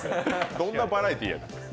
どんなバラエティーやねん。